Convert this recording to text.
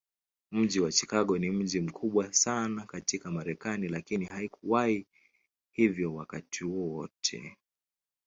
Mji wa Chicago ni mji mkubwa sana katika Marekani, lakini haikuwa hivyo wakati wote.